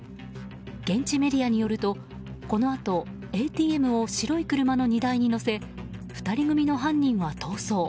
現地メディアによるとこのあとＡＴＭを白い車の荷台に載せ２人組の犯人が逃走。